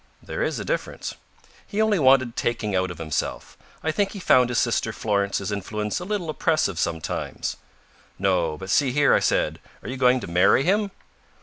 "There is a difference." "He only wanted taking out of himself. I think he found his sister Florence's influence a little oppressive sometimes." "No, but see here," I said, "are you going to marry him?"